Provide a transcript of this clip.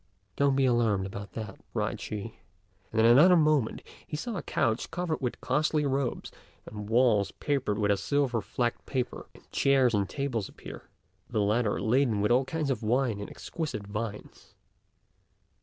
"Don't be alarmed about that," cried she; and in another moment he saw a couch covered with costly robes, the walls papered with a silver flecked paper, and chairs and tables appear, the latter laden with all kinds of wine and exquisite viands.